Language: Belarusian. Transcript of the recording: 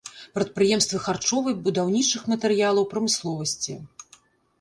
Прадпрыемствы харчовай, будаўнічых матэрыялаў прамысловасці.